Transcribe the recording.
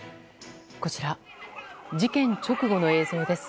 こちら、事件直後の映像です。